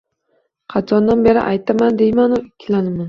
Qachondan beri aytaman deyman-u, ikkilanaman